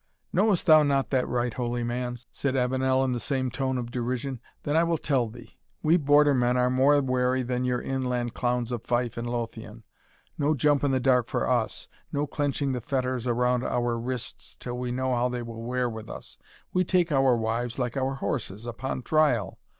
"Knowest thou not that rite, holy man?" said Avenel, in the same tone of derision; "then I will tell thee. We Border men are more wary than your inland clowns of Fife and Lothian no jump in the dark for us no clenching the fetters around our wrists till we know how they will wear with us we take our wives, like our horses, upon trial.